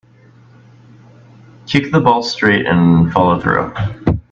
Kick the ball straight and follow through.